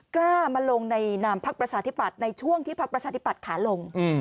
กล้ามาลงในนามพักประชาธิปัตย์ในช่วงที่พักประชาธิปัตย์ขาลง